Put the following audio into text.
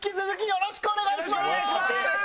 よろしくお願いします！